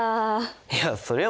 いやそりゃ